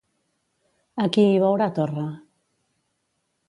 A qui hi veurà Torra?